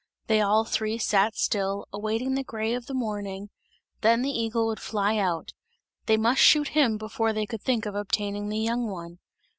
They all three sat still, awaiting the grey of the morning; then the eagle would fly out; they must shoot him before they could think of obtaining the young one.